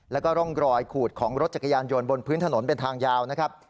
แล้วก็ร่องรอยขูดของรถจักรยานยนต์บนพื้นถนนเป็นทางยาวนะครับ